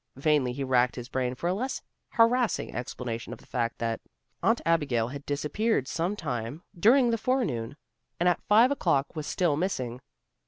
Vainly he racked his brain for a less harassing explanation of the fact that Aunt Abigail had disappeared some time during the forenoon, and at five o'clock was still missing.